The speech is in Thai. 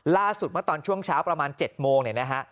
ล่าสุดมาตอนช่วงเช้าประมาณ๗โมงเนี่ยนะฮะ